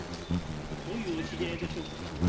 どういうお知り合いでしょうか？